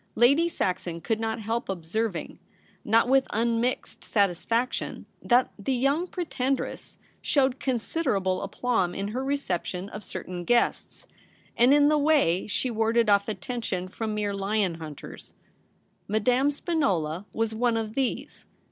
Lady Saxon could not help observing, not with unmixed satisfaction, that the young Pretendress showed considerable aplomb in her reception of certain guests, and In the w^ay she warded off attention from mere lion hunters. Madame Spinola was one of these.